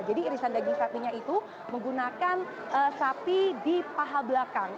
jadi irisan daging sapinya itu menggunakan sapi di paha belakang